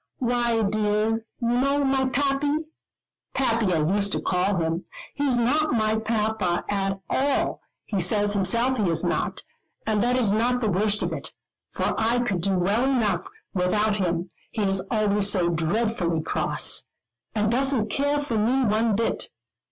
"Why, dear, you know my pappy pappy I used to call him he is not my papa at all, he says himself he is not; and that is not the worst of it, for I could do well enough without him, he is always so dreadfully cross, and doesn't care for me one bit.